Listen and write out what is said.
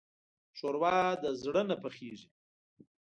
ښوروا د زړه نه پخېږي.